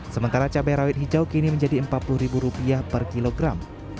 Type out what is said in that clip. sementara cabai rawit hijau kini menjadi rp empat puluh per kilogram